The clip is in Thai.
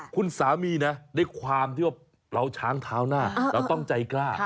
คุณสามีนะด้วยความที่ว่าเราช้างเท้าหน้าเราต้องใจกล้า